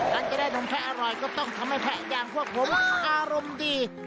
การจะได้นมแพะอร่อยก็ต้องทำให้แพะอย่างพวกผมอารมณ์ดี